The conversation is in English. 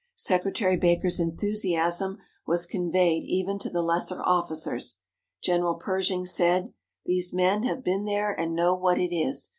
Secretary Baker's enthusiasm was conveyed even to the lesser officers. General Pershing said: "These men have been there and know what it is.